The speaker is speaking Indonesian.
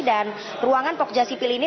dan ruangan pogja sipil ini